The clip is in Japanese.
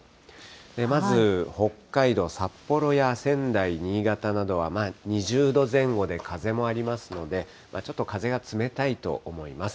まず北海道、札幌や仙台、新潟などは、２０度前後で風もありますので、ちょっと風が冷たいと思います。